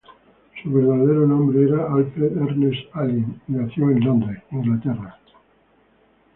Su verdadero nombre era Alfred Ernest Allen, y nació en Londres, Inglaterra.